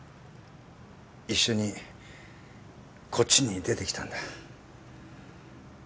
一緒にこっちに出てきたんだ。